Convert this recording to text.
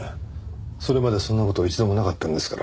それまでそんな事一度もなかったんですから。